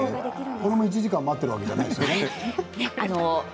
これも１時間待っているわけではないですよね。